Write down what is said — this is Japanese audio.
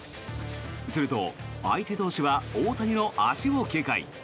すると、相手投手は大谷の足を警戒。